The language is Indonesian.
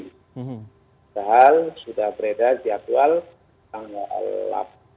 padahal sudah beredar jadwal tanggal delapan